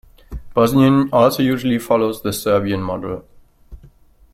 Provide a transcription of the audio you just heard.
Bosnian also usually follows the Serbian model.